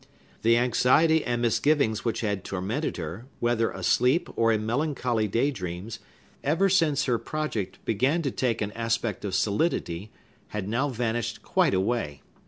The anxiety and misgivings which had tormented her, whether asleep or in melancholy day dreams, ever since her project began to take an aspect of solidity, had now vanished quite away.